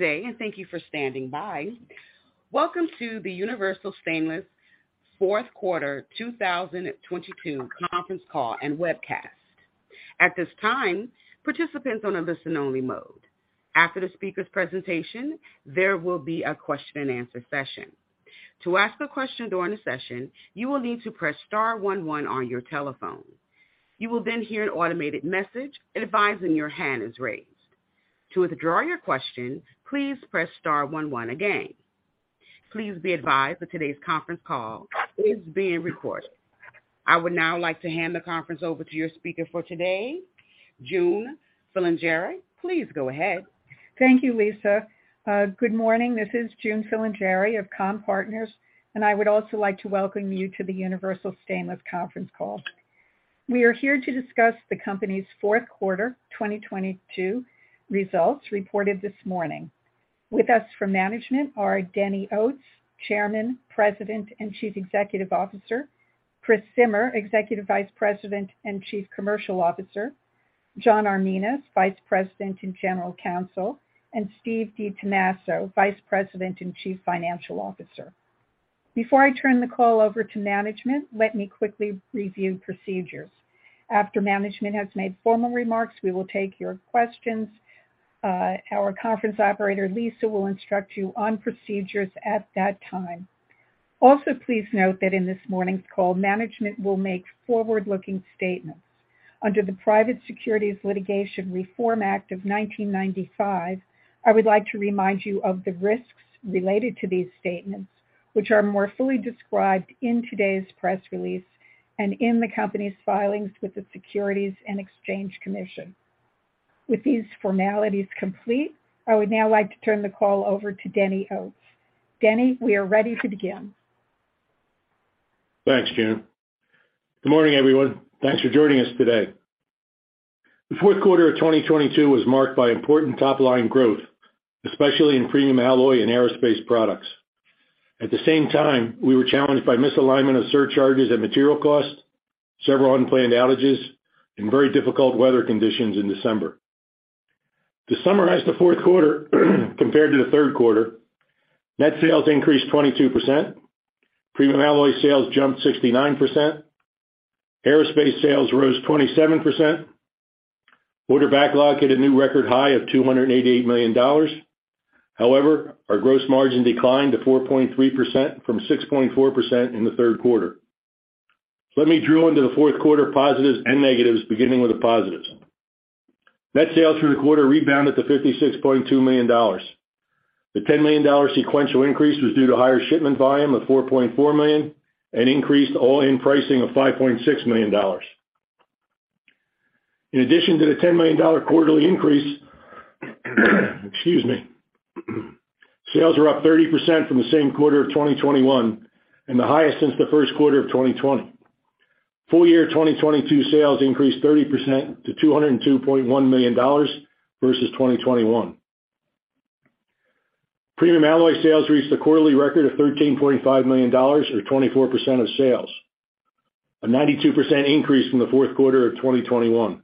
Good day. Thank you for standing by. Welcome to the Universal Stainless fourth quarter 2022 conference call and webcast. At this time, participants on a listen only mode. After the speaker's presentation, there will be a question and answer session. To ask a question during the session, you will need to press star one one on your telephone. You will hear an automated message advising your hand is raised. To withdraw your question, please press star one one again. Please be advised that today's conference call is being recorded. I would now like to hand the conference over to your speaker for today, June Filingeri. Please go ahead. Thank you, Lisa. Good morning. This is June Filingeri of Comm-Partners. I would also like to welcome you to the Universal Stainless conference call. We are here to discuss the company's fourth quarter 2022 results reported this morning. With us from management are Denny Oates, Chairman, President, and Chief Executive Officer, Christopher Zimmer, Executive Vice President and Chief Commercial Officer, John Armitage, Vice President and General Counsel, and Steven S. DiNaso, Vice President and Chief Financial Officer. Before I turn the call over to management, let me quickly review procedures. Our conference operator, Lisa, will instruct you on procedures at that time. Also, please note that in this morning's call, management will make forward-looking statements. Under the Private Securities Litigation Reform Act of 1995, I would like to remind you of the risks related to these statements, which are more fully described in today's press release and in the company's filings with the Securities and Exchange Commission. With these formalities complete, I would now like to turn the call over to Denny Oates. Denny, we are ready to begin. Thanks, June. Good morning, everyone. Thanks for joining us today. The fourth quarter of 2022 was marked by important top-line growth, especially in premium alloy and aerospace products. At the same time, we were challenged by misalignment of surcharges and material costs, several unplanned outages, and very difficult weather conditions in December. To summarize the fourth quarter compared to the third quarter, net sales increased 22%, premium alloy sales jumped 69%, aerospace sales rose 27%. Order backlog hit a new record high of $288 million. However, our gross margin declined to 4.3% from 6.4% in the third quarter. Let me drill into the fourth quarter positives and negatives, beginning with the positives. Net sales for the quarter rebounded to $56.2 million. The $10 million sequential increase was due to higher shipment volume of $4.4 million and increased all-in pricing of $5.6 million. In addition to the $10 million quarterly increase, excuse me, sales are up 30% from the same quarter of 2021 and the highest since the first quarter of 2020. Full year 2022 sales increased 30% to $202.1 million versus 2021. Premium alloy sales reached a quarterly record of $13.5 million, or 24% of sales. A 92% increase from the fourth quarter of 2021.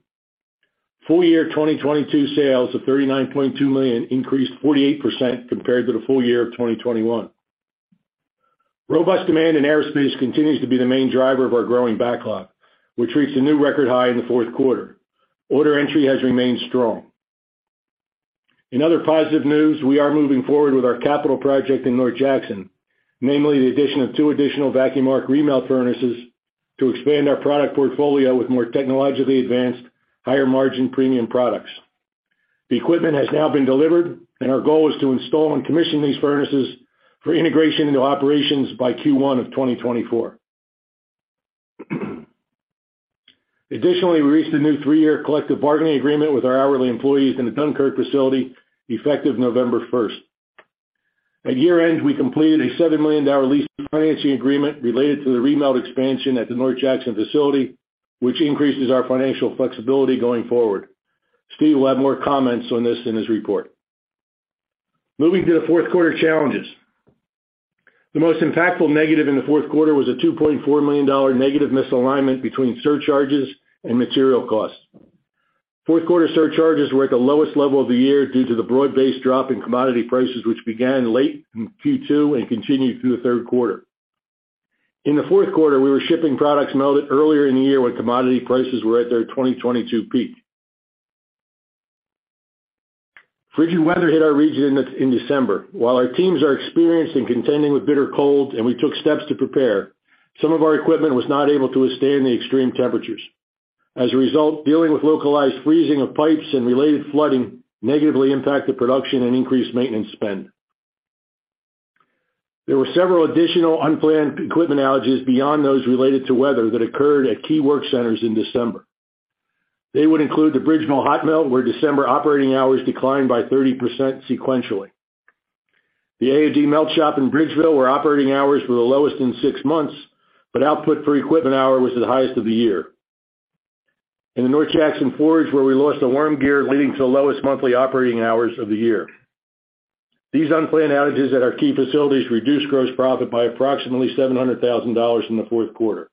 Full year 2022 sales of $39.2 million increased 48% compared to the full year of 2021. Robust demand in aerospace continues to be the main driver of our growing backlog, which reached a new record high in the fourth quarter. Order entry has remained strong. In other positive news, we are moving forward with our capital project in North Jackson, namely the addition of two additional vacuum arc remelt furnaces to expand our product portfolio with more technologically advanced, higher margin premium products. The equipment has now been delivered, and our goal is to install and commission these furnaces for integration into operations by Q1 of 2024. Additionally, we reached a new three-year collective bargaining agreement with our hourly employees in the Dunkirk facility effective November first. At year-end, we completed a $7 million lease financing agreement related to the remelt expansion at the North Jackson facility, which increases our financial flexibility going forward. Steve will have more comments on this in his report. Moving to the fourth quarter challenges. The most impactful negative in the fourth quarter was a $2.4 million negative misalignment between surcharges and material costs. Fourth quarter surcharges were at the lowest level of the year due to the broad-based drop in commodity prices, which began late in Q2 and continued through the third quarter. In the fourth quarter, we were shipping products melted earlier in the year when commodity prices were at their 2022 peak. Frigid weather hit our region in December. While our teams are experienced in contending with bitter cold and we took steps to prepare, some of our equipment was not able to withstand the extreme temperatures. As a result, dealing with localized freezing of pipes and related flooding negatively impacted production and increased maintenance spend. There were several additional unplanned equipment outages beyond those related to weather that occurred at key work centers in December. They would include the Bridgeville hot melt, where December operating hours declined by 30% sequentially. The AOD melt shop in Bridgeville, where operating hours were the lowest in six months, but output for equipment hour was the highest of the year. In the North Jackson Forge, where we lost a worm gear leading to the lowest monthly operating hours of the year. These unplanned outages at our key facilities reduced gross profit by approximately $700,000 in the fourth quarter.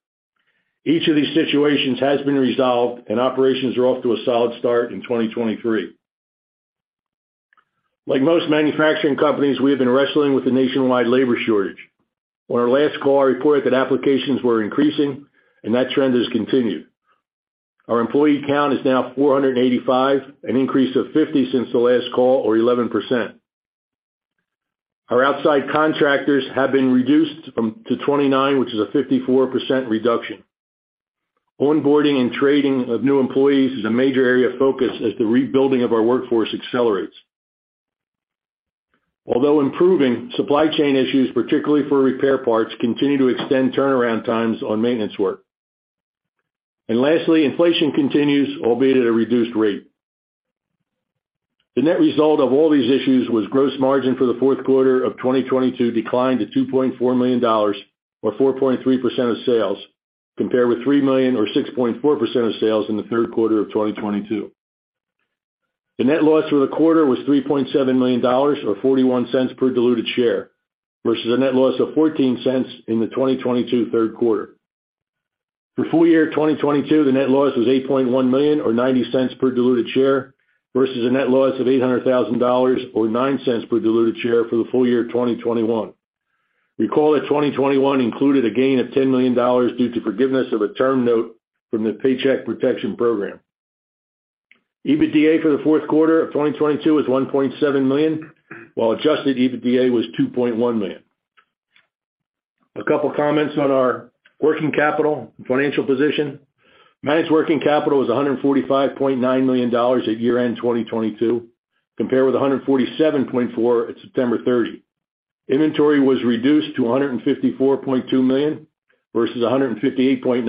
Each of these situations has been resolved. Operations are off to a solid start in 2023. Like most manufacturing companies, we have been wrestling with the nationwide labor shortage. On our last call, I reported that applications were increasing, and that trend has continued. Our employee count is now 485, an increase of 50 since the last call, or 11%. Our outside contractors have been reduced to 29, which is a 54% reduction. Onboarding and training of new employees is a major area of focus as the rebuilding of our workforce accelerates. Although improving, supply chain issues, particularly for repair parts, continue to extend turnaround times on maintenance work. Lastly, inflation continues, albeit at a reduced rate. The net result of all these issues was gross margin for the fourth quarter of 2022 declined to $2.4 million, or 4.3% of sales, compared with $3 million or 6.4% of sales in the third quarter of 2022. The net loss for the quarter was $3.7 million, or $0.41 per diluted share, versus a net loss of $0.14 in the 2022 third quarter. For full year 2022, the net loss was $8.1 million or $0.90 per diluted share versus a net loss of $800,000 or $0.09 per diluted share for the full year of 2021. Recall that 2021 included a gain of $10 million due to forgiveness of a term note from the Paycheck Protection Program. EBITDA for the fourth quarter of 2022 was $1.7 million, while adjusted EBITDA was $2.1 million. A couple of comments on our working capital and financial position. Managed working capital was $145.9 million at year-end 2022, compared with $147.4 million at September 30. Inventory was reduced to $154.2 million versus $158.9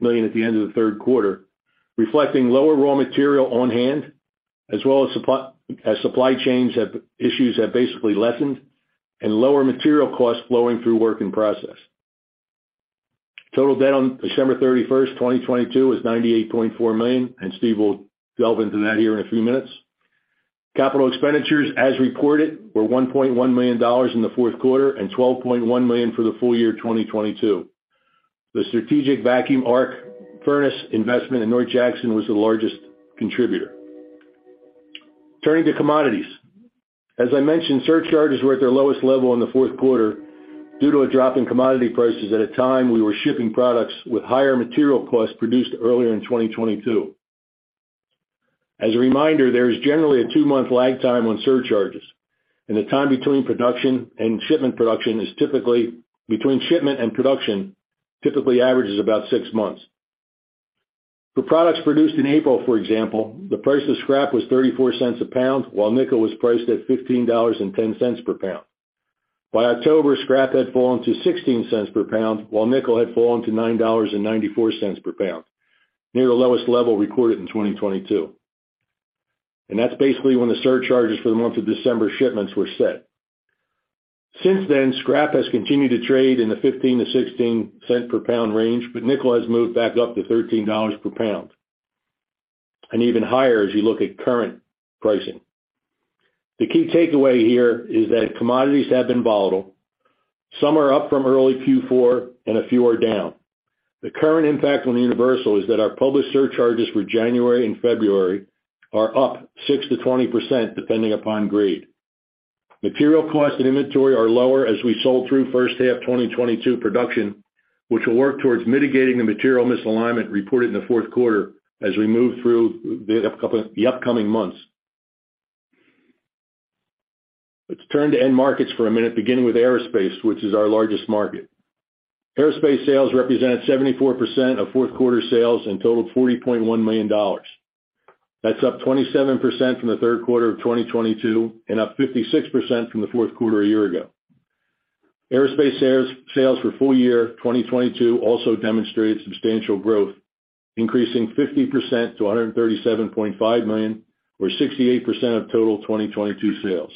million at the end of the third quarter, reflecting lower raw material on hand, as well as supply chain issues have basically lessened and lower material costs flowing through work in process. Total debt on December 31, 2022 was $98.4 million. Steve will delve into that here in a few minutes. Capital expenditures, as reported, were $1.1 million in the fourth quarter and $12.1 million for the full year 2022. The strategic vacuum arc furnace investment in North Jackson was the largest contributor. Turning to commodities. As I mentioned, surcharges were at their lowest level in the fourth quarter due to a drop in commodity prices at a time we were shipping products with higher material costs produced earlier in 2022. As a reminder, there is generally a two-month lag time on surcharges, and the time between shipment and production typically averages about six months. For products produced in April, for example, the price of scrap was $0.34 a pound, while nickel was priced at $15.10 per pound. By October, scrap had fallen to $0.16 per pound, while nickel had fallen to $9.94 per pound, near the lowest level recorded in 2022. That's basically when the surcharges for the month of December shipments were set. Since then, scrap has continued to trade in the $0.15-$0.16 per pound range, but nickel has moved back up to $13 per pound, and even higher as you look at current pricing. The key takeaway here is that commodities have been volatile. Some are up from early Q4, and a few are down. The current impact on Universal is that our published surcharges for January and February are up 6%-20% depending upon grade. Material costs and inventory are lower as we sold through first half of 2022 production, which will work towards mitigating the material misalignment reported in the fourth quarter as we move through the upcoming months. Let's turn to end markets for a minute, beginning with aerospace, which is our largest market. Aerospace sales represented 74% of fourth quarter sales and totaled $40.1 million. That's up 27% from the third quarter of 2022 and up 56% from the fourth quarter a year ago. Aerospace sales for full year 2022 also demonstrated substantial growth, increasing 50% to $137.5 million or 68% of total 2022 sales.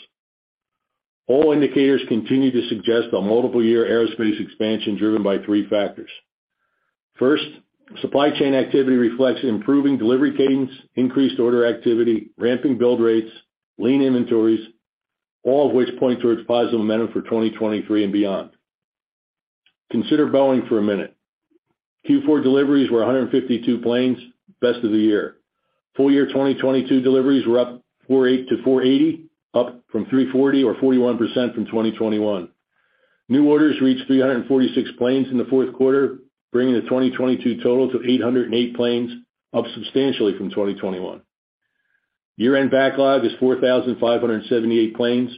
All indicators continue to suggest a multiple-year aerospace expansion driven by three factors. First, supply chain activity reflects improving delivery cadence, increased order activity, ramping build rates, lean inventories, all of which point towards positive momentum for 2023 and beyond. Consider Boeing for a minute. Q4 deliveries were 152 planes, best of the year. Full year 2022 deliveries were up to 480, up from 340 or 41% from 2021. New orders reached 346 planes in the fourth quarter, bringing the 2022 total to 808 planes, up substantially from 2021. Year-end backlog is 4,578 planes.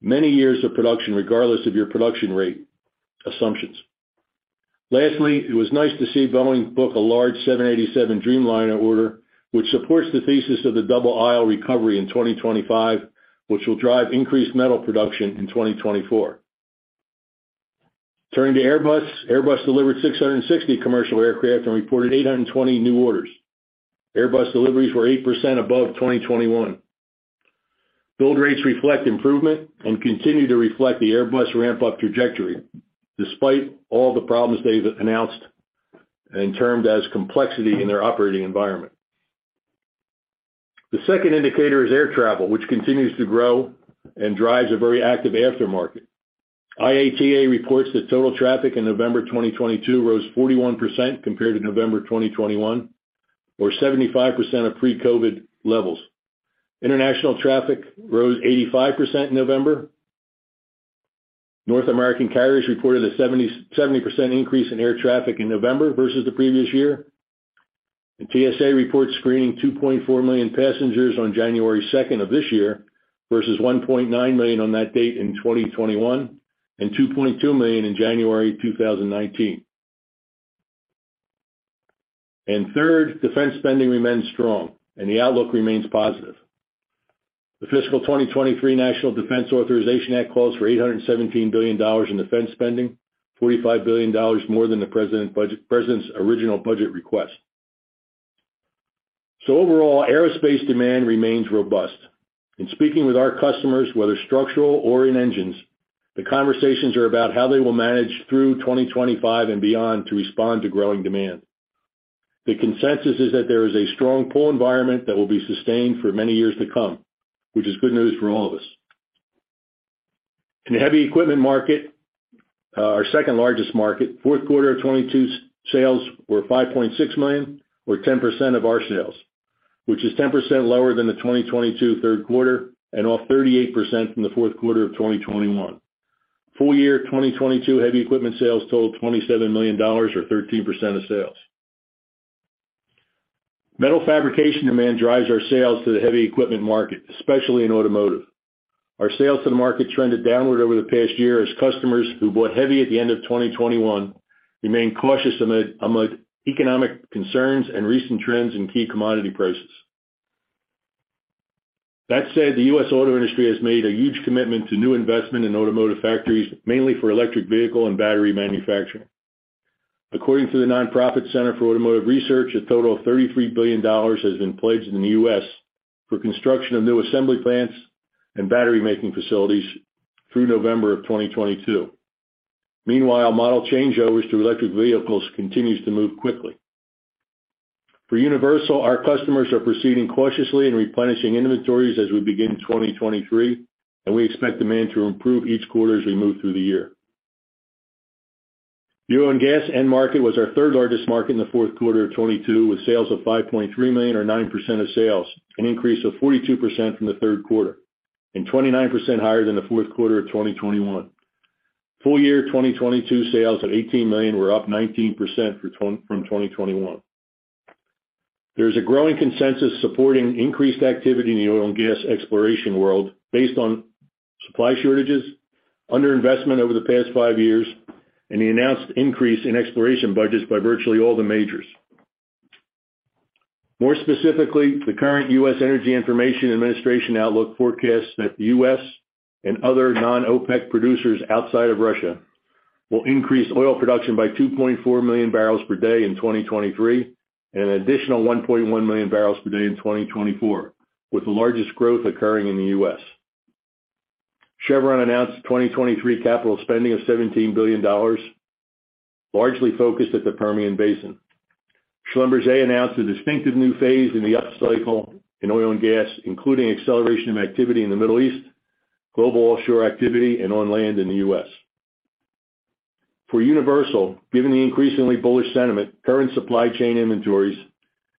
Many years of production, regardless of your production rate assumptions. Lastly, it was nice to see Boeing book a large 787 Dreamliner order, which supports the thesis of the double aisle recovery in 2025, which will drive increased metal production in 2024. Turning to Airbus. Airbus delivered 660 commercial aircraft and reported 820 new orders. Airbus deliveries were 8% above 2021. Build rates reflect improvement and continue to reflect the Airbus ramp-up trajectory, despite all the problems they've announced and termed as complexity in their operating environment. The second indicator is air travel, which continues to grow and drives a very active aftermarket. IATA reports that total traffic in November 2022 rose 41% compared to November 2021, or 75% of pre-COVID levels. International traffic rose 85% in November. North American carriers reported a 70% increase in air traffic in November versus the previous year. TSA reports screening 2.4 million passengers on January 2nd of this year versus 1.9 million on that date in 2021 and 2.2 million in January 2019. Third, defense spending remains strong and the outlook remains positive. The Fiscal 2023 National Defense Authorization Act calls for $817 billion in defense spending, $45 billion more than the president's original budget request. Overall, aerospace demand remains robust. In speaking with our customers, whether structural or in engines, the conversations are about how they will manage through 2025 and beyond to respond to growing demand. The consensus is that there is a strong pull environment that will be sustained for many years to come, which is good news for all of us. In the heavy equipment market, our second-largest market, fourth quarter of 2022 sales were $5.6 million or 10% of our sales, which is 10% lower than the 2022 third quarter and off 38% from the fourth quarter of 2021. Full year 2022 heavy equipment sales totaled $27 million or 13% of sales. Metal fabrication demand drives our sales to the heavy equipment market, especially in automotive. Our sales to the market trended downward over the past year as customers who bought heavy at the end of 2021 remained cautious among economic concerns and recent trends in key commodity prices. That said, the U.S. auto industry has made a huge commitment to new investment in automotive factories, mainly for electric vehicle and battery manufacturing. According to the nonprofit Center for Automotive Research, a total of $33 billion has been pledged in the U.S. for construction of new assembly plants and battery-making facilities through November of 2022. Meanwhile, model changeovers to electric vehicles continues to move quickly. For Universal, our customers are proceeding cautiously in replenishing inventories as we begin 2023, and we expect demand to improve each quarter as we move through the year. The oil and gas end market was our third-largest market in the fourth quarter of 2022, with sales of $5.3 million or 9% of sales, an increase of 42% from the third quarter and 29% higher than the fourth quarter of 2021. Full year 2022 sales of $18 million were up 19% from 2021. There's a growing consensus supporting increased activity in the oil and gas exploration world based on supply shortages, underinvestment over the past five years, and the announced increase in exploration budgets by virtually all the majors. More specifically, the current U.S. Energy Information Administration outlook forecasts that the U.S. and other non-OPEC producers outside of Russia will increase oil production by 2.4 million barrels per day in 2023 and an additional 1.1 million barrels per day in 2024, with the largest growth occurring in the U.S. Chevron announced 2023 capital spending of $17 billion, largely focused at the Permian Basin. Schlumberger announced a distinctive new phase in the upcycle in oil and gas, including acceleration of activity in the Middle East, global offshore activity, and on land in the U.S. For Universal, given the increasingly bullish sentiment, current supply chain inventories,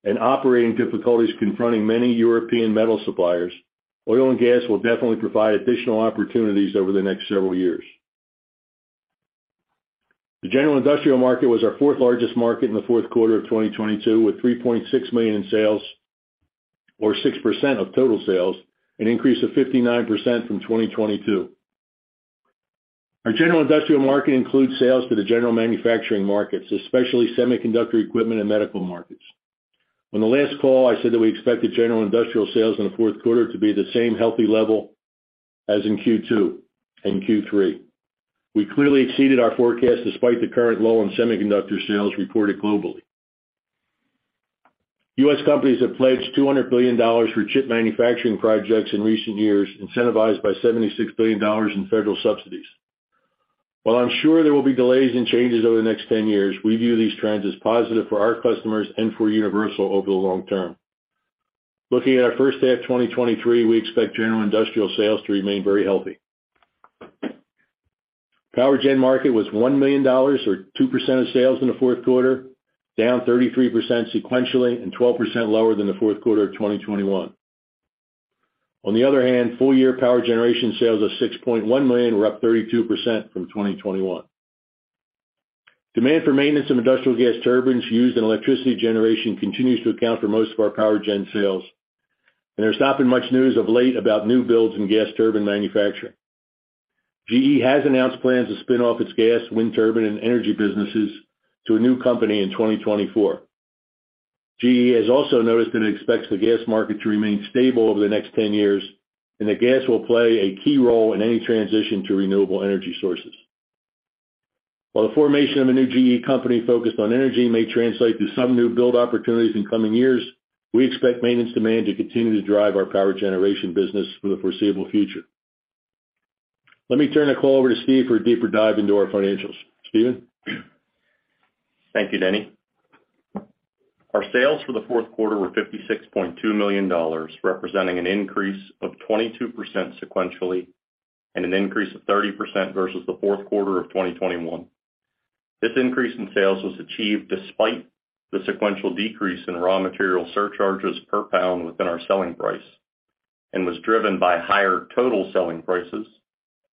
and operating difficulties confronting many European metal suppliers, oil and gas will definitely provide additional opportunities over the next several years. The general industrial market was our fourth-largest market in the fourth quarter of 2022, with $3.6 million in sales or 6% of total sales, an increase of 59% from 2022. Our general industrial market includes sales to the general manufacturing markets, especially semiconductor equipment and medical markets. On the last call, I said that we expected general industrial sales in the fourth quarter to be the same healthy level as in Q2 and Q3. We clearly exceeded our forecast despite the current low in semiconductor sales reported globally. U.S. companies have pledged $200 billion for chip manufacturing projects in recent years, incentivized by $76 billion in federal subsidies. While I'm sure there will be delays and changes over the next 10 years, we view these trends as positive for our customers and for Universal over the long term. Looking at our first half 2023, we expect general industrial sales to remain very healthy. Power gen market was $1 million or 2% of sales in the fourth quarter, down 33% sequentially and 12% lower than the fourth quarter of 2021. On the other hand, full year power generation sales of $6.1 million were up 32% from 2021. Demand for maintenance of industrial gas turbines used in electricity generation continues to account for most of our power gen sales, and there's not been much news of late about new builds in gas turbine manufacturing. GE has announced plans to spin off its gas, wind turbine, and energy businesses to a new company in 2024. GE has also noticed that it expects the gas market to remain stable over the next 10 years and that gas will play a key role in any transition to renewable energy sources. While the formation of a new GE company focused on energy may translate to some new build opportunities in coming years, we expect maintenance demand to continue to drive our power generation business for the foreseeable future. Let me turn the call over to Steve for a deeper dive into our financials. Steven? Thank you, Denny. Our sales for the fourth quarter were $56.2 million, representing an increase of 22% sequentially and an increase of 30% versus the fourth quarter of 2021. This increase in sales was achieved despite the sequential decrease in raw material surcharges per pound within our selling price and was driven by higher total selling prices,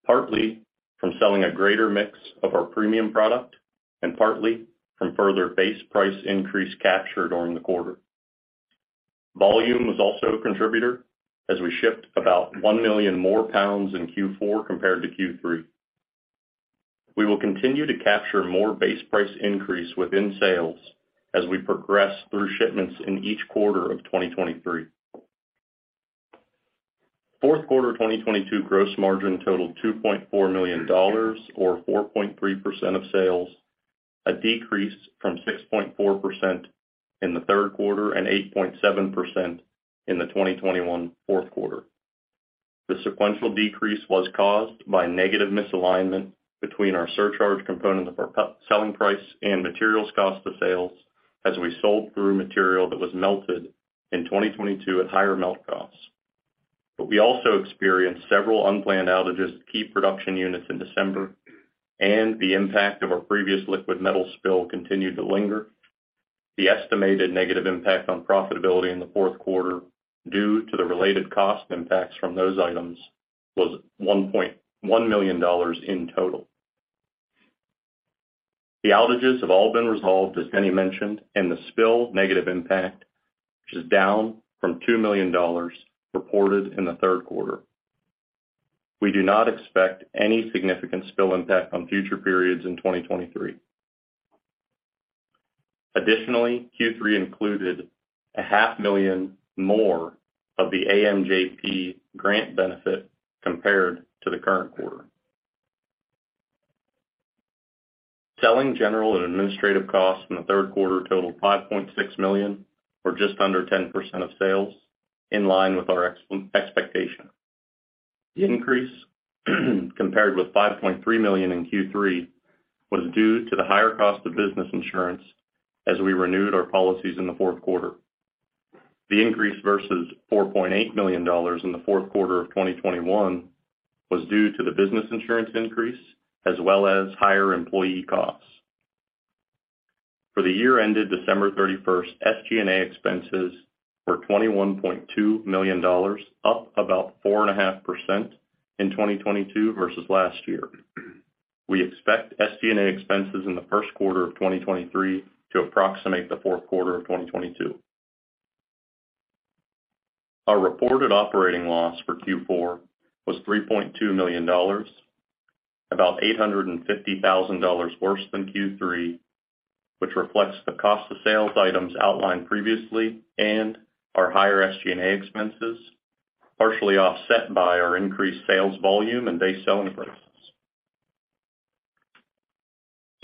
partly from selling a greater mix of our premium product and partly from further base price increase captured during the quarter. Volume was also a contributor as we shipped about 1 million more pounds in Q4 compared to Q3. We will continue to capture more base price increase within sales as we progress through shipments in each quarter of 2023. 4th quarter 2022 gross margin totaled $2.4 million or 4.3% of sales, a decrease from 6.4% in the 3rd quarter and 8.7% in the 2021 4th quarter. The sequential decrease was caused by negative misalignment between our surcharge component of our selling price and materials cost of sales as we sold through material that was melted in 2022 at higher melt costs. We also experienced several unplanned outages to key production units in December, and the impact of our previous liquid metal spill continued to linger. The estimated negative impact on profitability in the 4th quarter due to the related cost impacts from those items was $1.1 million in total. The outages have all been resolved, as Denny mentioned. The spill negative impact, which is down from $2 million reported in the third quarter. We do not expect any significant spill impact on future periods in 2023. Additionally, Q3 included a half million more of the AMJP grant benefit compared to the current quarter. Selling, general, and administrative costs in the third quarter totaled $5.6 million or just under 10% of sales, in line with our expectation. The increase, compared with $5.3 million in Q3, was due to the higher cost of business insurance as we renewed our policies in the fourth quarter. The increase versus $4.8 million in the fourth quarter of 2021 was due to the business insurance increase as well as higher employee costs. For the year ended December 31st, SG&A expenses were $21.2 million, up about 4.5% in 2022 versus last year. We expect SG&A expenses in the first quarter of 2023 to approximate the fourth quarter of 2022. Our reported operating loss for Q4 was $3.2 million, about $850,000 worse than Q3, which reflects the cost of sales items outlined previously and our higher SG&A expenses, partially offset by our increased sales volume and base selling prices.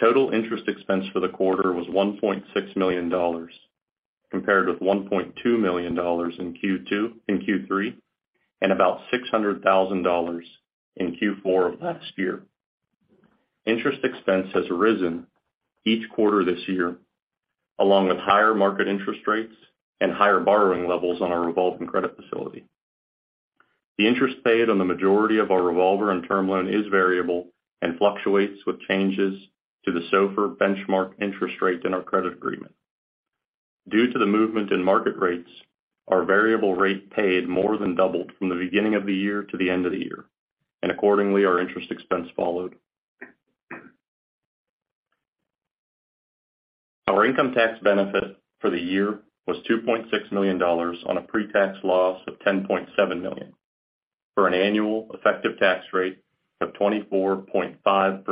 Total interest expense for the quarter was $1.6 million, compared with $1.2 million in Q3, and about $600,000 in Q4 of last year. Interest expense has risen each quarter this year, along with higher market interest rates and higher borrowing levels on our revolving credit facility. The interest paid on the majority of our revolver and term loan is variable and fluctuates with changes to the SOFR benchmark interest rate in our credit agreement. Due to the movement in market rates, our variable rate paid more than doubled from the beginning of the year to the end of the year. Accordingly, our interest expense followed. Our income tax benefit for the year was $2.6 million on a pre-tax loss of $10.7 million, for an annual effective tax rate of 24.5%.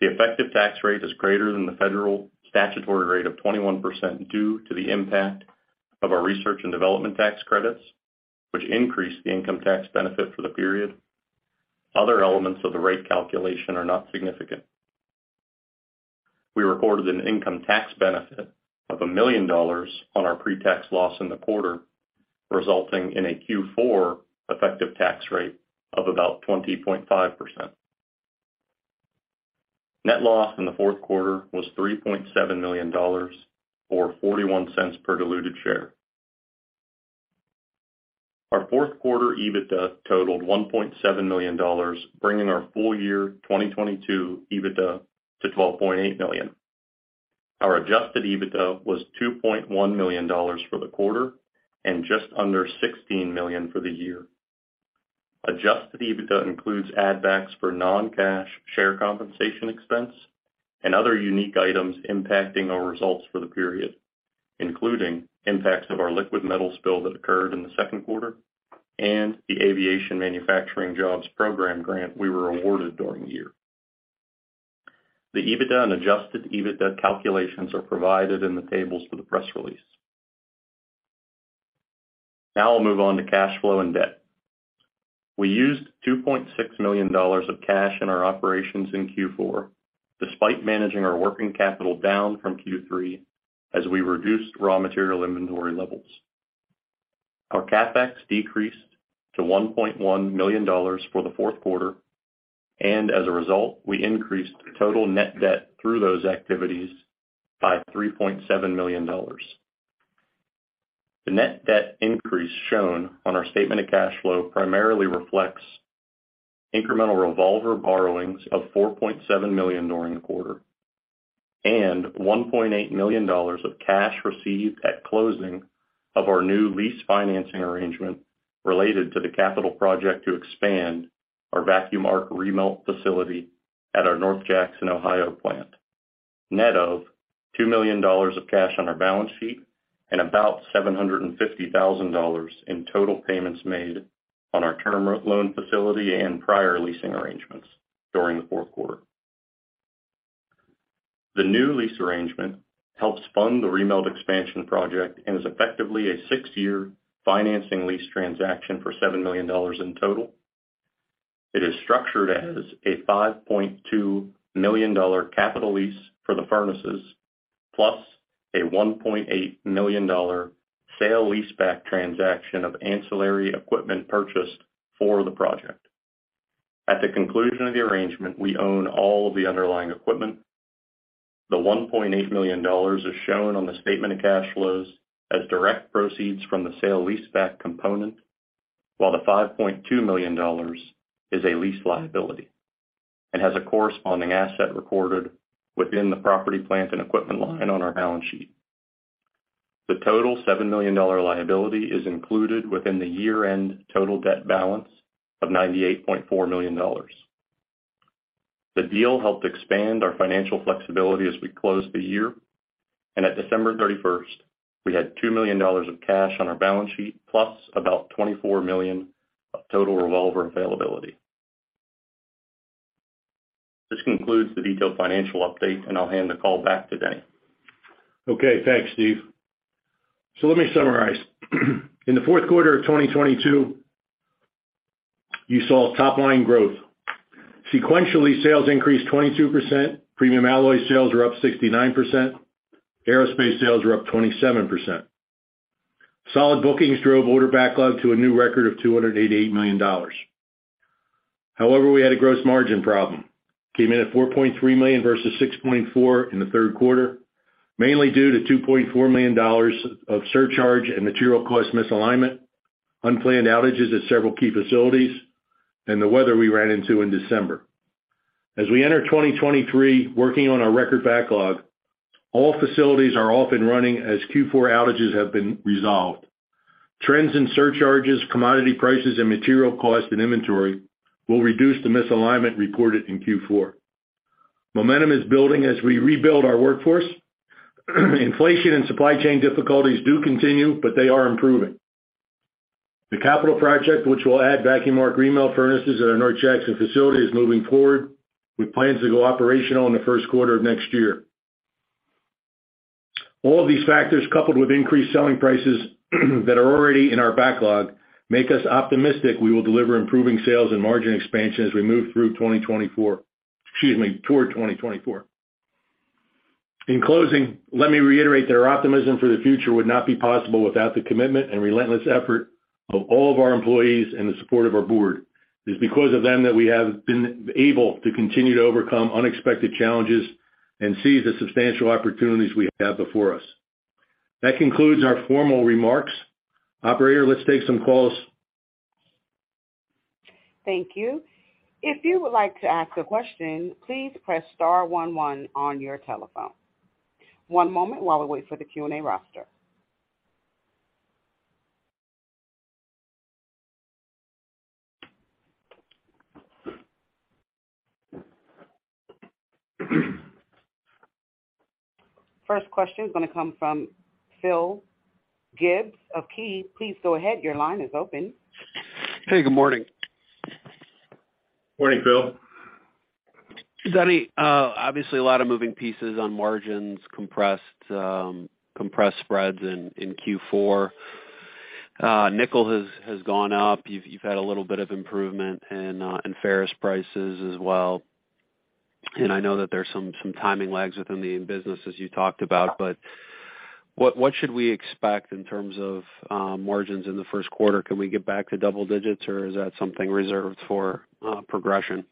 The effective tax rate is greater than the federal statutory rate of 21% due to the impact of our research and development tax credits, which increase the income tax benefit for the period. Other elements of the rate calculation are not significant. We recorded an income tax benefit of $1 million on our pre-tax loss in the quarter, resulting in a Q4 effective tax rate of about 20.5%. Net loss in the fourth quarter was $3.7 million, or $0.41 per diluted share. Our fourth quarter EBITDA totaled $1.7 million, bringing our full year 2022 EBITDA to $12.8 million. Our adjusted EBITDA was $2.1 million for the quarter and just under $16 million for the year. Adjusted EBITDA includes add backs for non-cash share compensation expense and other unique items impacting our results for the period, including impacts of our liquid metal spill that occurred in the second quarter and the Aviation Manufacturing Jobs Program grant we were awarded during the year. The EBITDA and adjusted EBITDA calculations are provided in the tables for the press release. Now I'll move on to cash flow and debt. We used $2.6 million of cash in our operations in Q4 despite managing our working capital down from Q3 as we reduced raw material inventory levels. Our CapEx decreased to $1.1 million for the fourth quarter, and as a result, we increased the total net debt through those activities by $3.7 million. The net debt increase shown on our statement of cash flow primarily reflects incremental revolver borrowings of $4.7 million during the quarter, and $1.8 million of cash received at closing of our new lease financing arrangement related to the capital project to expand our vacuum arc remelt facility at our North Jackson, Ohio plant, net of $2 million of cash on our balance sheet and about $750,000 in total payments made on our term loan facility and prior leasing arrangements during the fourth quarter. The new lease arrangement helps fund the remelt expansion project and is effectively a six-year financing lease transaction for $7 million in total. It is structured as a $5.2 million capital lease for the furnaces, plus a $1.8 million sale leaseback transaction of ancillary equipment purchased for the project. At the conclusion of the arrangement, we own all of the underlying equipment. The $1.8 million is shown on the statement of cash flows as direct proceeds from the sale leaseback component, while the $5.2 million is a lease liability and has a corresponding asset recorded within the property, plant, and equipment line on our balance sheet. The total $7 million liability is included within the year-end total debt balance of $98.4 million. The deal helped expand our financial flexibility as we closed the year. At December 31st, we had $2 million of cash on our balance sheet, plus about $24 million of total revolver availability. This concludes the detailed financial update, and I'll hand the call back to Danny. Thanks, Steve. Let me summarize. In the fourth quarter of 2022, you saw top line growth. Sequentially, sales increased 22%. Premium alloy sales are up 69%. Aerospace sales are up 27%. Solid bookings drove order backlog to a new record of $288 million. We had a gross margin problem. Came in at $4.3 million versus $6.4 million in the third quarter, mainly due to $2.4 million of surcharge and material cost misalignment, unplanned outages at several key facilities, and the weather we ran into in December. As we enter 2023 working on our record backlog, all facilities are off and running as Q4 outages have been resolved. Trends in surcharges, commodity prices, and material cost and inventory will reduce the misalignment reported in Q4. Momentum is building as we rebuild our workforce. Inflation and supply chain difficulties do continue. They are improving. The capital project, which will add vacuum arc remelting furnaces at our North Jackson facility, is moving forward. We plan to go operational in the first quarter of next year. All of these factors, coupled with increased selling prices that are already in our backlog, make us optimistic we will deliver improving sales and margin expansion as we move through 2024. Excuse me, toward 2024. In closing, let me reiterate that our optimism for the future would not be possible without the commitment and relentless effort of all of our employees and the support of our board. It is because of them that we have been able to continue to overcome unexpected challenges and seize the substantial opportunities we have before us. That concludes our formal remarks. Operator, let's take some calls. Thank you. If you would like to ask a question, please press star one one on your telephone. One moment while we wait for the Q&A roster. First question is going to come from Phil Gibbs of Key. Please go ahead. Your line is open. Hey, good morning. Morning, Phil. Danny, obviously a lot of moving pieces on margins, compressed spreads in Q4. nickel has gone up. You've had a little bit of improvement in ferrous prices as well. I know that there's some timing lags within the business as you talked about. What should we expect in terms of margins in the first quarter? Can we get back to double digits, or is that something reserved for progression?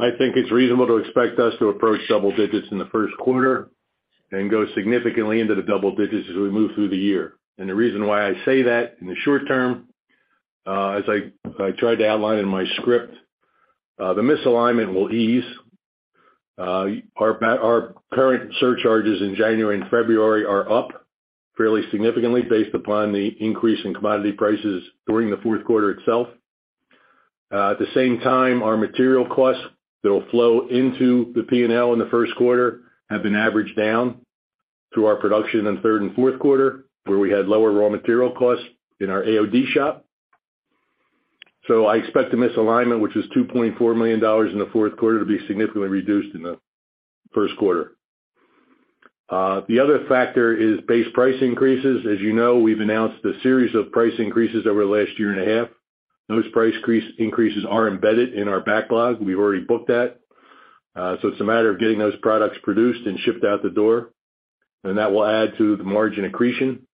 I think it's reasonable to expect us to approach double digits in the first quarter and go significantly into the double digits as we move through the year. The reason why I say that in the short term, as I tried to outline in my script, the misalignment will ease. Our current surcharges in January and February are up fairly significantly based upon the increase in commodity prices during the fourth quarter itself. At the same time, our material costs that will flow into the P&L in the first quarter have been averaged down through our production in third and fourth quarter, where we had lower raw material costs in our AOD shop. I expect the misalignment, which was $2.4 million in the fourth quarter, to be significantly reduced in the first quarter. The other factor is base price increases. As you know, we've announced a series of price increases over the last year and a half. Those price increases are embedded in our backlog. We've already booked that. So it's a matter of getting those products produced and shipped out the door, and that will add to the margin accretion.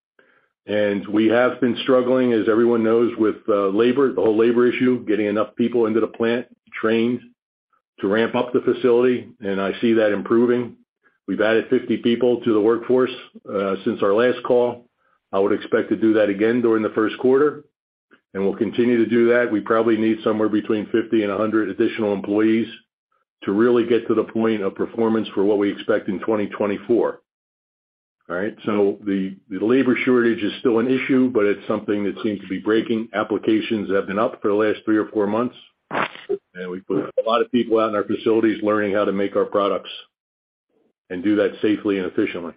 We have been struggling, as everyone knows, with labor, the whole labor issue, getting enough people into the plant trained to ramp up the facility, and I see that improving. We've added 50 people to the workforce since our last call. I would expect to do that again during the first quarter, and we'll continue to do that. We probably need somewhere between 50 and 100 additional employees to really get to the point of performance for what we expect in 2024. All right? The labor shortage is still an issue, but it's something that seems to be breaking. Applications have been up for the last three or four months. We put a lot of people out in our facilities learning how to make our products and do that safely and efficiently.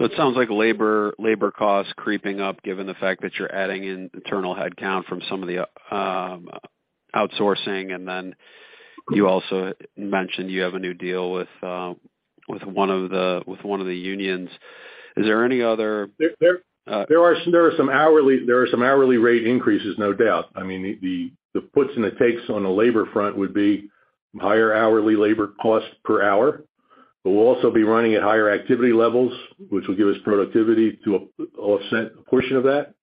It sounds like labor costs creeping up given the fact that you're adding in internal headcount from some of the outsourcing, and then you also mentioned you have a new deal with one of the unions. Is there any other- There are some hourly rate increases, no doubt. I mean, the puts and the takes on the labor front would be higher hourly labor costs per hour. We'll also be running at higher activity levels, which will give us productivity to offset a portion of that.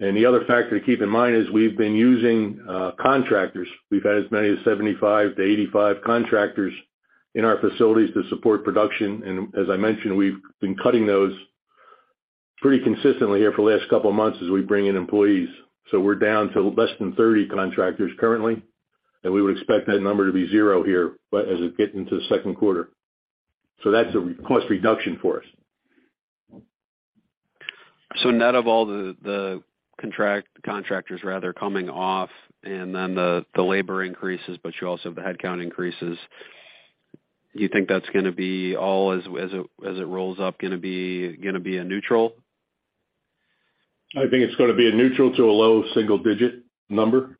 The other factor to keep in mind is we've been using contractors. We've had as many as 75-85 contractors in our facilities to support production. As I mentioned, we've been cutting those pretty consistently here for the last couple of months as we bring in employees. We're down to less than 30 contractors currently, and we would expect that number to be zero here as we get into the second quarter. That's a cost reduction for us. Net of all the contractors rather coming off and then the labor increases, but you also have the headcount increases, do you think that's gonna be all, as it rolls up, gonna be a neutral? I think it's gonna be a neutral to a low single-digit number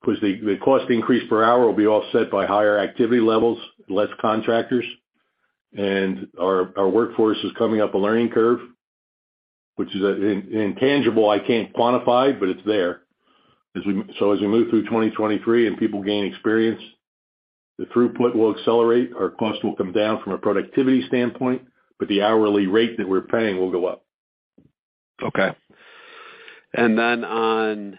because the cost increase per hour will be offset by higher activity levels, less contractors. Our workforce is coming up a learning curve, which is intangible I can't quantify, but it's there. As we move through 2023 and people gain experience, the throughput will accelerate, our cost will come down from a productivity standpoint, but the hourly rate that we're paying will go up. Okay. On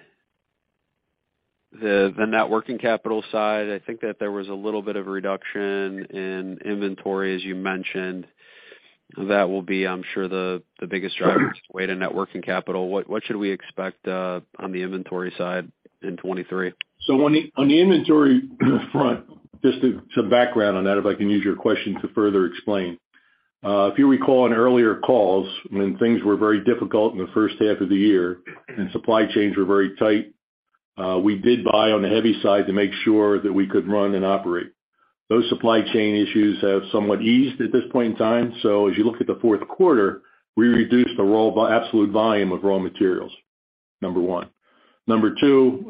the net working capital side, I think that there was a little bit of a reduction in inventory, as you mentioned. That will be, I'm sure, the biggest driver on the way to net working capital. What should we expect on the inventory side in 2023? On the inventory front, just to, some background on that, if I can use your question to further explain. If you recall on earlier calls, when things were very difficult in the first half of the year and supply chains were very tight, we did buy on the heavy side to make sure that we could run and operate. Those supply chain issues have somewhat eased at this point in time. As you look at the fourth quarter, we reduced the absolute volume of raw materials, number one. Number two,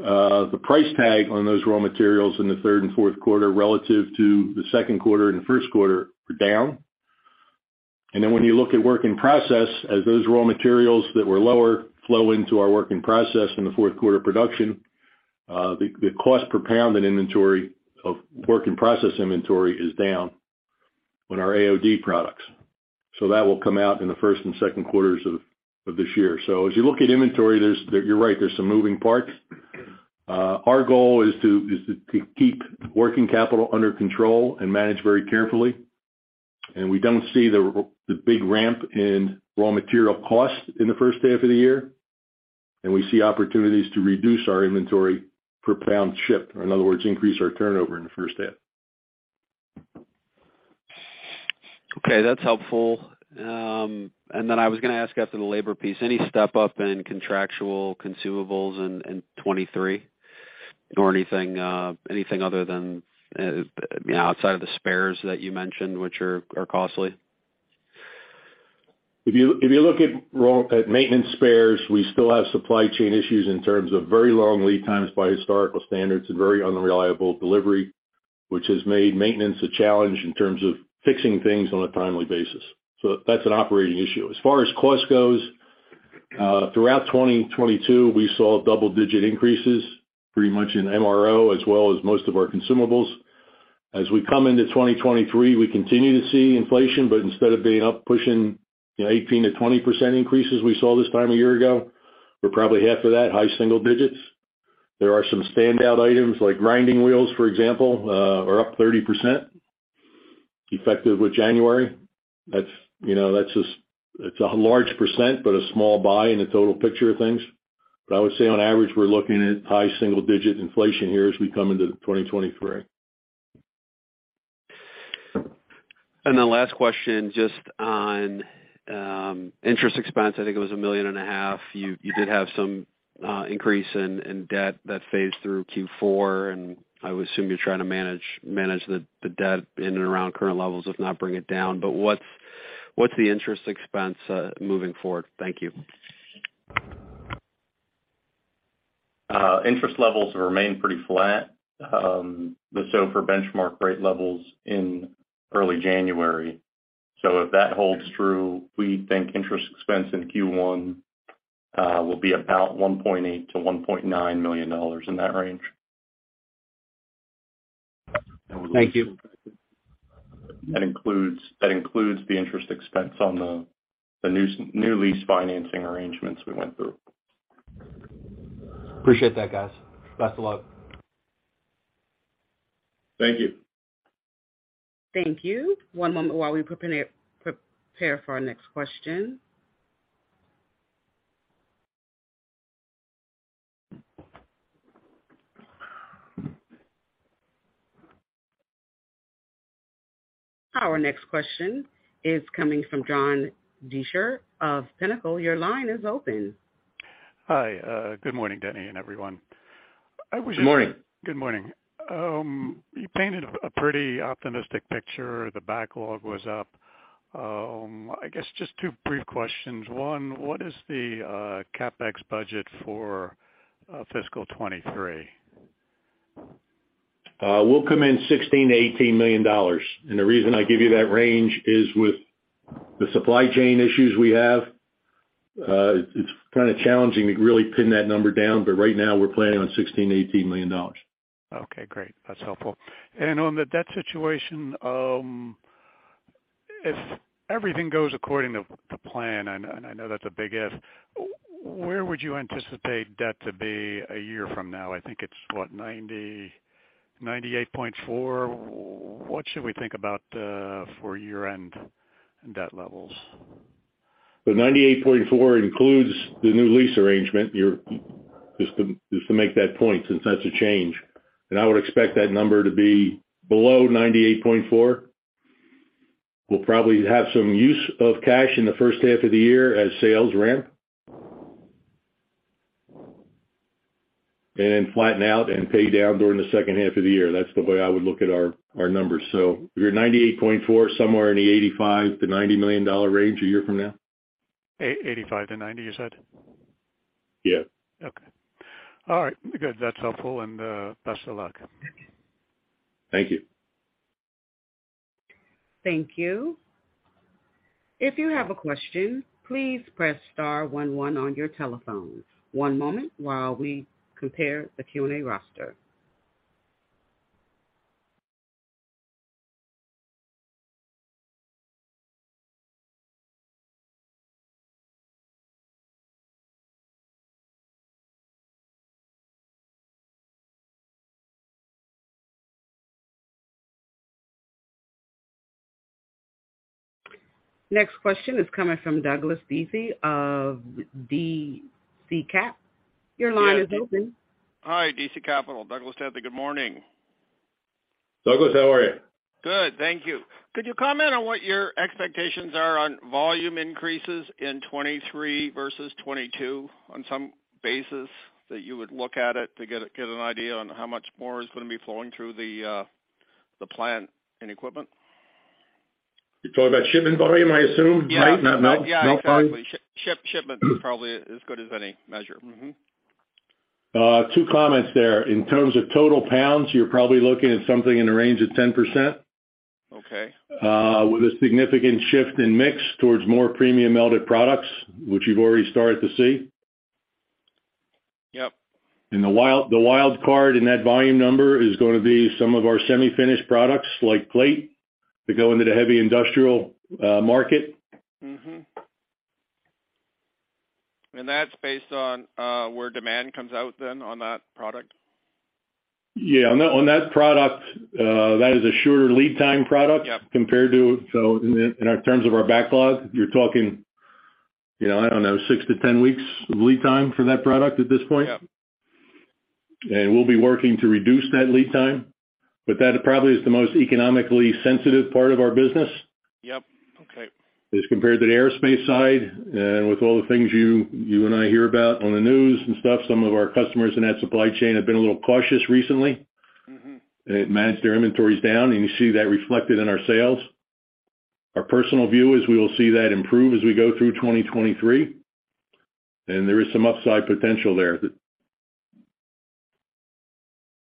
the price tag on those raw materials in the third and fourth quarter relative to the second quarter and first quarter were down. When you look at work in process, as those raw materials that were lower flow into our work in process in the fourth quarter production, the cost per pound in inventory of work in process inventory is down on our AOD products. That will come out in the first and second quarters of this year. As you look at inventory, you're right, there's some moving parts. Our goal is to keep working capital under control and manage very carefully. We don't see the big ramp in raw material costs in the first half of the year. We see opportunities to reduce our inventory per pound shipped, or in other words, increase our turnover in the first half. That's helpful. I was gonna ask after the labor piece, any step up in contractual consumables in 23? Anything, anything other than, you know, outside of the spares that you mentioned, which are costly? If you look at maintenance spares, we still have supply chain issues in terms of very long lead times by historical standards and very unreliable delivery, which has made maintenance a challenge in terms of fixing things on a timely basis. That's an operating issue. As far as cost goes, throughout 2022, we saw double-digit increases pretty much in MRO as well as most of our consumables. As we come into 2023, we continue to see inflation, but instead of being up pushing 18%-20% increases we saw this time a year ago, we're probably half of that, high single digits. There are some standout items like grinding wheels, for example, are up 30% effective with January. That's, you know, it's a large percent, but a small buy in the total picture of things. I would say on average, we're looking at high single digit inflation here as we come into 2023. Last question, just on interest expense. I think it was a million and a half. You did have some increase in debt that phased through Q4, I would assume you're trying to manage the debt in and around current levels, if not bring it down. What's the interest expense moving forward? Thank you. Interest levels have remained pretty flat, but SOFR benchmark rate levels in early January. If that holds true, we think interest expense in Q1 will be about $1.8 million-$1.9 million in that range. Thank you. That includes the interest expense on the new lease financing arrangements we went through. Appreciate that, guys. Best of luck. Thank you. Thank you. One moment while we prepare for our next question. Our next question is coming from John Deysher of Pinnacle. Your line is open. Hi. good morning, Denny and everyone. Good morning. Good morning. You painted a pretty optimistic picture. The backlog was up. I guess just two brief questions. One, what is the CapEx budget for fiscal 2023? We'll come in $16 million-$18 million. The reason I give you that range is with the supply chain issues we have, it's kind of challenging to really pin that number down, but right now we're planning on $16 million-$18 million. Okay, great. That's helpful. On the debt situation, if everything goes according to the plan, and I know that's a big if, where would you anticipate debt to be a year from now? I think it's, what $98.4. What should we think about for year-end debt levels? The $98.4 includes the new lease arrangement. Just to make that point, since that's a change. I would expect that number to be below $98.4. We'll probably have some use of cash in the first half of the year as sales ramp. Then flatten out and pay down during the second half of the year. That's the way I would look at our numbers. If you're $98.4, somewhere in the $85 million-$90 million range a year from now. 885 to 90, you said? Yeah. Okay. All right. Good. That's helpful, and, best of luck. Thank you. Thank you. If you have a question, please press star one one on your telephone. One moment while we prepare the Q&A roster. Next question is coming from Douglas Dethy of DC Cap. Your line is open. Hi, DC Capital, Douglas Dethy. Good morning. Douglas, how are you? Good. Thank you. Could you comment on what your expectations are on volume increases in 2023 versus 2022 on some basis that you would look at it to get an idea on how much more is gonna be flowing through the plant and equipment? You're talking about shipment volume, I assume, right? Yeah. Not melt volume? Yeah, exactly. Shipment is probably as good as any measure. Two comments there. In terms of total pounds, you're probably looking at something in the range of 10%. Okay. With a significant shift in mix towards more premium melted products, which you've already started to see. Yep. The wild card in that volume number is gonna be some of our semi-finished products, like plate, that go into the heavy industrial market. That's based on, where demand comes out then on that product? Yeah. On that, on that product, that is a shorter lead time product... Yep. Compared to... In our terms of our backlog, you're talking, you know, I don't know, 6 to 10 weeks of lead time for that product at this point. Yep. we'll be working to reduce that lead time, but that probably is the most economically sensitive part of our business. Yep. Okay. As compared to the aerospace side, and with all the things you and I hear about on the news and stuff, some of our customers in that supply chain have been a little cautious recently. Mm-hmm. They've managed their inventories down, and you see that reflected in our sales. Our personal view is we will see that improve as we go through 2023, and there is some upside potential there.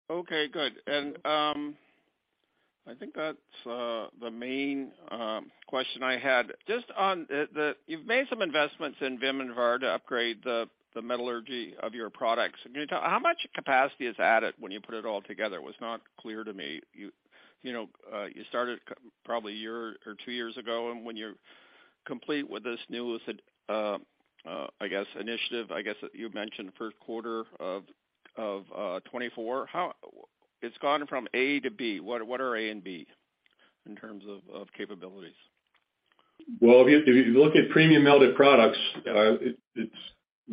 Okay, good. I think that's the main question I had. You've made some investments in VIM and VAR to upgrade the metallurgy of your products. Can you tell how much capacity is added when you put it all together? It was not clear to me. You, you know, you started probably a year or 2 years ago, and when you're complete with this new, I guess, initiative, I guess you mentioned first quarter 2024. It's gone from A to B. What are A and B in terms of capabilities? Well, if you look at premium melted products,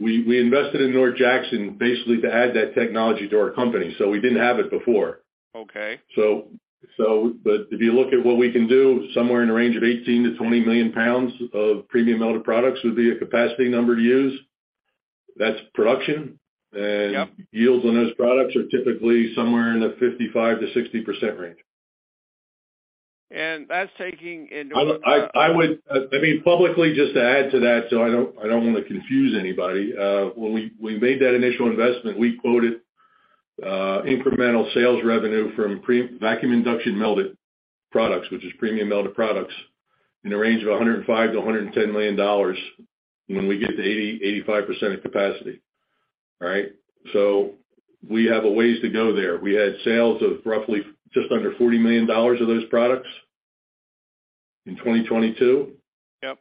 we invested in North Jackson basically to add that technology to our company. We didn't have it before. Okay. If you look at what we can do, somewhere in the range of 18-20 million pounds of premium melted products would be a capacity number to use. That's production. Yep. Yields on those products are typically somewhere in the 55%-60% range. that's taking into... I mean, publicly just to add to that, so I don't wanna confuse anybody. when we made that initial investment, we quoted incremental sales revenue from vacuum induction melting products, which is premium melded products, in the range of $105 million-$110 million, and when we get to 80%-85% of capacity, right? We have a ways to go there. We had sales of roughly just under $40 million of those products in 2022. Yep.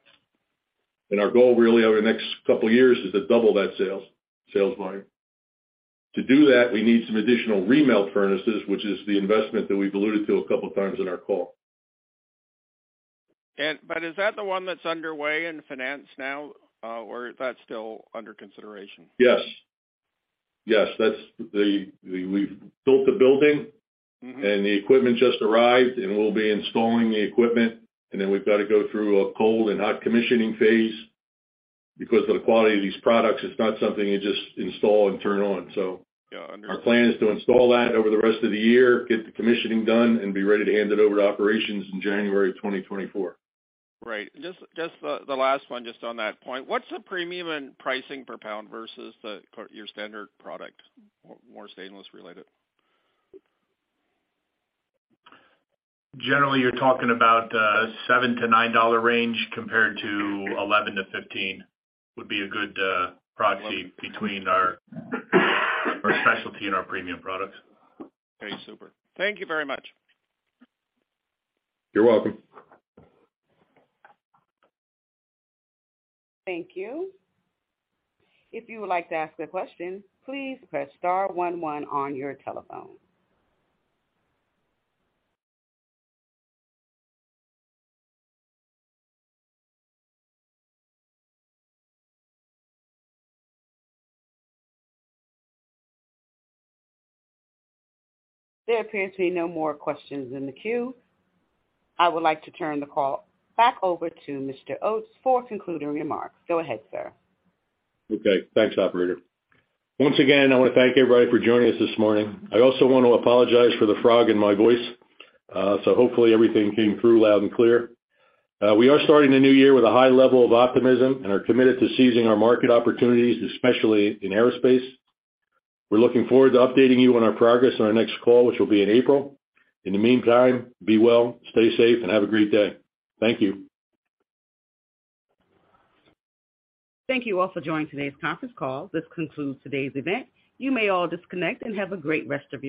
Our goal really over the next couple of years is to double that sales line. To do that, we need some additional remelt furnaces, which is the investment that we've alluded to a couple times in our call. Is that the one that's underway in finance now, or is that still under consideration? Yes. Yes. That's the, we've built the building. Mm-hmm. The equipment just arrived, and we'll be installing the equipment. Then we've got to go through a cold and hot commissioning phase. Because of the quality of these products, it's not something you just install and turn on. Yeah. Understood. Our plan is to install that over the rest of the year, get the commissioning done, and be ready to hand it over to operations in January 2024. Right. Just the last one just on that point. What's the premium in pricing per pound versus the, or your standard product, more stainless related? Generally, you're talking about, $7-$9 range compared to $11-$15 would be a good proxy between our specialty and our premium products. Okay, super. Thank you very much. You're welcome. Thank you. If you would like to ask a question, please press star one one on your telephone. There appears to be no more questions in the queue. I would like to turn the call back over to Mr. Oates for concluding remarks. Go ahead, sir. Okay. Thanks, operator. Once again, I want to thank everybody for joining us this morning. I also want to apologize for the frog in my voice. Hopefully everything came through loud and clear. We are starting the new year with a high level of optimism and are committed to seizing our market opportunities, especially in aerospace. We're looking forward to updating you on our progress on our next call, which will be in April. In the meantime, be well, stay safe, and have a great day. Thank you. Thank you all for joining today's conference call. This concludes today's event. You may all disconnect and have a great rest of your day.